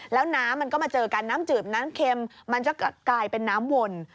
แล้วน้ำมันก็มาเจอกันน้ำจืดน้ำเค็มมันจะกลายเป็นน้ำวน